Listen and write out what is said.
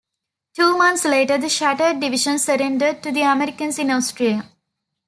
Two months later the shattered division surrendered to the Americans in Austria.